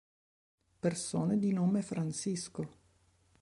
Persone di nome Francisco